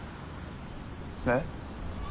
えっ？